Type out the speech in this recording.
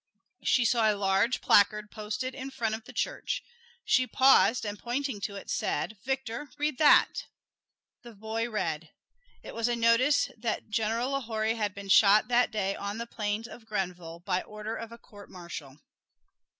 She saw a large placard posted in front of the church. She paused and pointing to it said, "Victor, read that!" The boy read. It was a notice that General Lahorie had been shot that day on the plains of Grenville by order of a court martial.